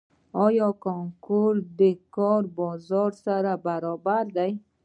آیا کانکور د کار بازار سره برابر دی؟